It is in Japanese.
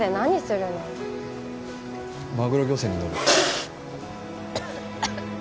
マグロ漁船に乗る。